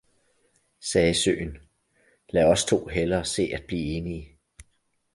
sagde søen, lad os to hellere se at blive enige!